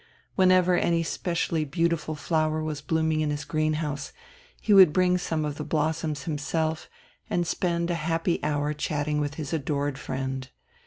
Whenever any specially beautiful flower was blooming in his greenhouse he would bring some of the blossoms himself and spend a happy hour chatting with his adored friend.